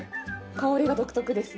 香りが独特です。